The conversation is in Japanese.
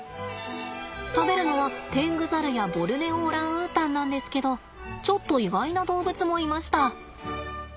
食べるのはテングザルやボルネオオランウータンなんですけどちょっと意外な動物もいました。